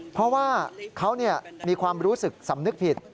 เพราะว่าเขามีความรู้สึกสำนึกผิด